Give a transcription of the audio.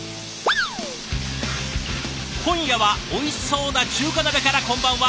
今夜はおいしそうな中華鍋からこんばんは。